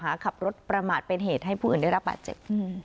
ขับรถประมาทเป็นเหตุให้ผู้อื่นได้รับบาดเจ็บ